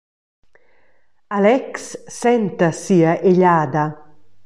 Alex senta sia egliada.